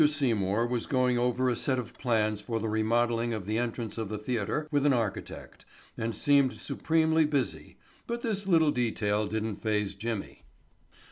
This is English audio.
Seymour was going over a set of plans for the remodeling of the entrance of the theatre with an architect, and seemed supremely busy, but this little detail didn't phase Jimmy.